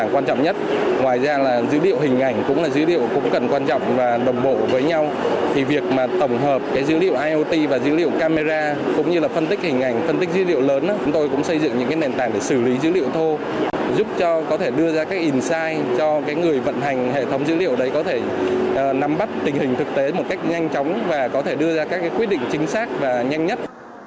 bắt tình hình thực tế một cách nhanh chóng và có thể đưa ra các quyết định chính xác và nhanh nhất